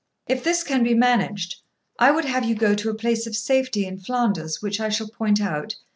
If this can be managed, I would have you go to a place of safety in Flanders which I shall point out.